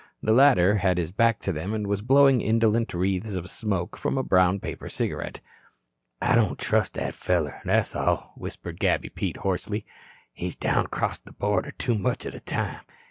The latter had his back to them and was blowing indolent wreaths of smoke from a brown paper cigarette. "I don't trust that feller, that's all," whispered Gabby Pete hoarsely. "He's down acrost the border too much o' the time.